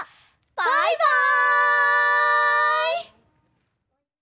バイバイ！